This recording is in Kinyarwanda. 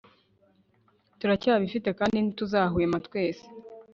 turacyabifite kandi ntituzahwema twese